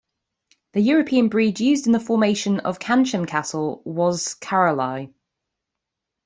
The European breed used in the formation of Canchim cattle was Charolais.